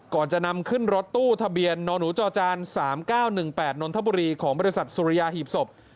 ก่อนจะนำขึ้นรถตู้ทะเบียนนหนูจอจาน๓๙๑๘นนทบุรีของบริษัทสุริยาหีบศพ